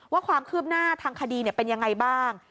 ว่าความคืบหน้าทางคดีเป็นยังไงบ้าง